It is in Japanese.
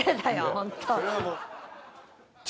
ホント。